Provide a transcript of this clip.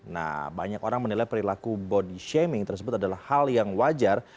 nah banyak orang menilai perilaku body shaming tersebut adalah hal yang wajar